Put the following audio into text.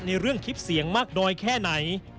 ในเรื่องคลิปเสียงมากน้อยแค่ไหน